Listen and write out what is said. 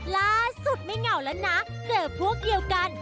ล่าสุดไม่เหงาแล้วนะเจอพวกเดียวกัน